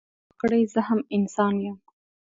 انصاف وکړئ زه هم انسان يم